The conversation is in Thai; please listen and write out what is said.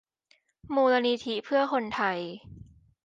มูลนิธิเพื่อคนไทย